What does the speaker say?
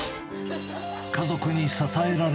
家族に支えられ。